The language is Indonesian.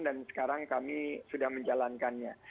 dan sekarang kami sudah menjalankannya